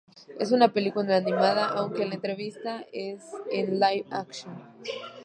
Es una película animada aunque la entrevista es en Live-Action.